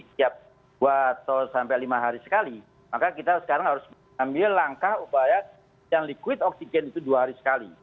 setiap dua atau sampai lima hari sekali maka kita sekarang harus mengambil langkah upaya yang liquid oksigen itu dua hari sekali